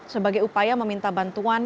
sebagai upaya meminta bantuan